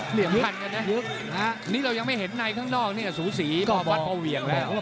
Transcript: เหลี่ยงทันกันเนี่ยนี่เรายังไม่เห็นในข้างนอกเนี่ยสูสีพ่อบอสพ่อเวียงแล้ว